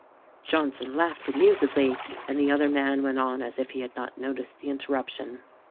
Johnson laughed amusedly, and the other man went on as if he had not noticed the interruption.